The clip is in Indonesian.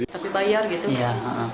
tapi bayar gitu ya